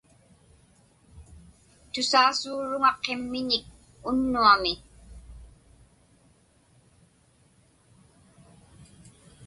Tusaasuuruŋa qimmiñik unnuami.